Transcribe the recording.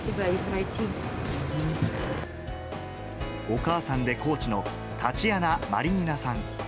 お母さんでコーチのタチアナ・マリニナさん。